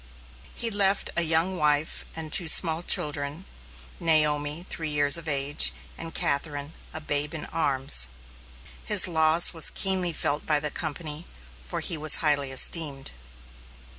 He left a young wife, and two small children, Naomi, three years of age, and Catherine, a babe in arms. His loss was keenly felt by the company, for he was highly esteemed.